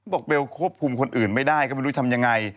เบลควบคุมคนอื่นไม่ได้ก็ไม่รู้ทำยังไง